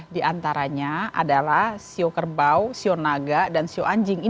di antaranya adalah shou kerbau shou naga dan shou anjing